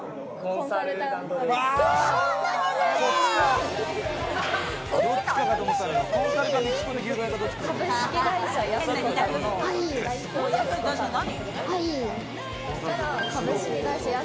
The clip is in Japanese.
コンサルタントって何？